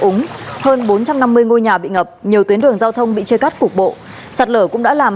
úng hơn bốn trăm năm mươi ngôi nhà bị ngập nhiều tuyến đường giao thông bị chia cắt cục bộ sạt lở cũng đã làm